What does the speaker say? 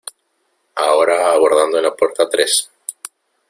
Ahora abordando en la puerta tres.